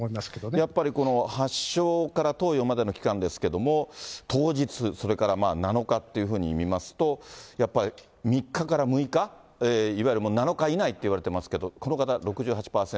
やっぱりこの発症から投与までの期間ですけれども、当日、それから７日っていうふうに見ますと、やっぱり３日から６日、いわゆる７日以内といわれてますけど、この方、６８％。